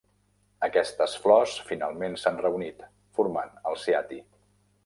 Aquestes flors finalment s'han reunit, formant el ciati.